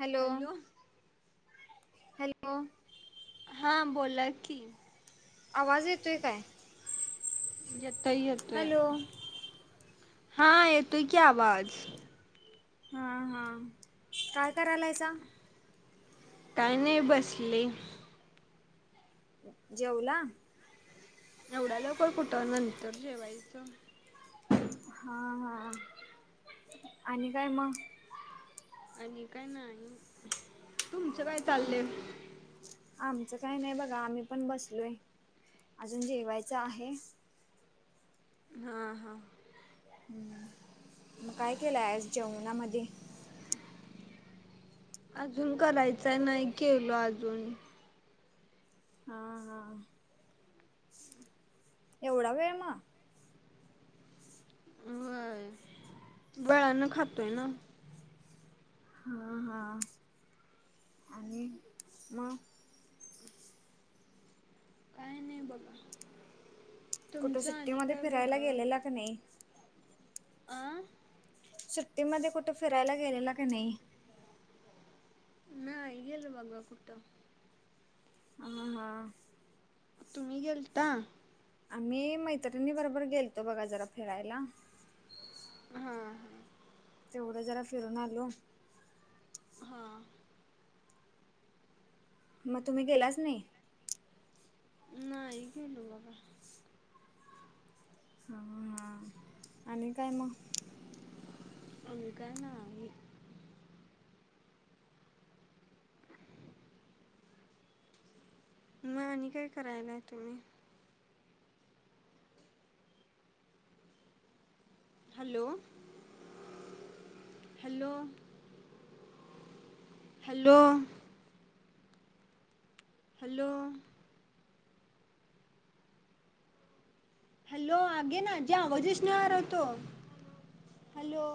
Hello. Hello. हा बोला की. आवाज येतोय काय? [inaudible] येतोय येतोय, हॅलो हा येतोय की आवाज. हा हा, काय करायलासा? काही नही बसली. जेवला? एवढ्या लवकर कुठं? नंतर जेवायचं. हा हां आणि काय मग? आणि काय नाही. तुमचं काय चाललंय? हम् आमचं काही नाही बघा, आम्ही पण बसलोय अजून जेवायचं आहे. हं हं. हम्म मग काय केलंय आज जेवणामध्ये? अजून करायचंय, नाही केलो अजून. हा हा एवढा वेळ मग? व्हय, बेळान खातोय ना? हां हां आणि मग? काय नही बघा. कुठे तुमचं सुट्टीध्ये फिरायला गेलेला का नही? अं. सुट्टीमध्ये कुठे फिरायला गेलेला का नाही? नाही गेलं बघा कुठं. हम हा तुम्ही गेलता? आम्ही मैत्रिणी बरोबर गेलतो बघा जरा फिरायला. हम्म हम्. तेवढं जरा फिरून आलो. हा. मं तुम्ही गेलाच नाही? नाही गेलो बाबा. हा हा आणि काय मग? आम्ही काय ना आम्ही. मं आणि काय करायलाय तुम्ही? Hello [inaudible] hello. Hello hello. Hello. आगे ना जे आवाजच नई आरा तो, हॅलो